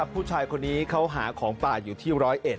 ผู้ชายคนนี้เขาหาของปลาอยู่ที่๑๐๑